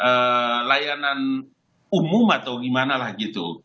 atau layanan umum atau gimana lah gitu